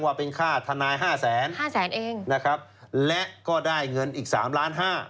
และก็ได้เงินอีก๓ล้าน๕